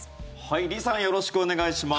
リさんよろしくお願いします。